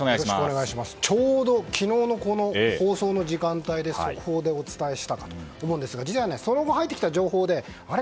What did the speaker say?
ちょうど、昨日のこの放送の時間帯に速報でお伝えしたと思うんですが実はその後入ってきた情報であれ？